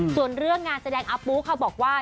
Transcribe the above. ส่วนเรื่องงานแสดงอาปูค่ะบอกว่า